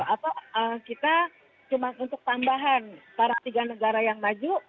apa kita cuma untuk tambahan para tiga negara yang maju